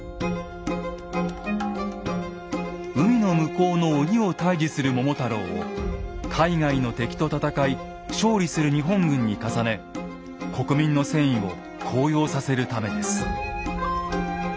海の向こうの鬼を退治する桃太郎を海外の敵と戦い勝利する日本軍に重ね国民の戦意を高揚させるためです。